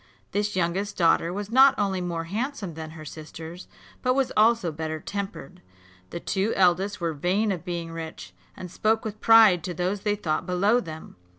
This youngest daughter was not only more handsome than her sisters, but was also better tempered. The two eldest were vain of being rich, and spoke with pride to those they thought below them.